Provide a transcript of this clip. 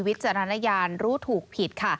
จารณญาณรู้ถูกผิดค่ะ